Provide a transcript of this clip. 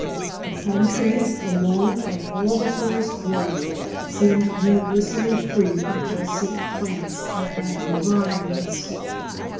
The palm trees alone of all the forest growth seemed universally free from parasitic plants and climbing vines.